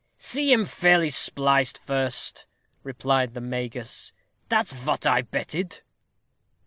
"See 'em fairly spliced first," replied the Magus; "that's vot I betted."